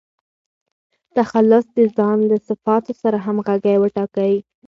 تخلص د ځان له صفاتو سره همږغى وټاکئ!